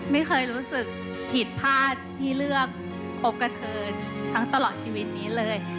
ไม่เคยรู้สึกผิดพลาดที่เลือกคบกับเธอทั้งตลอดชีวิตนี้เลย